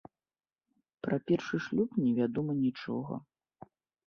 Пра першы шлюб не вядома нічога.